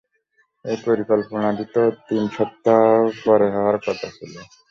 এই পরিকল্পনাটি তো তিন সপ্তাহ পরে হওয়ার কথা ছিল।